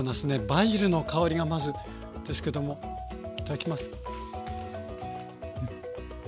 バジルの香りがまずですけどもいただきます。